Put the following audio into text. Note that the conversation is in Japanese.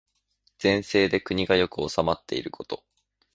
善政で国が良く治まっていること。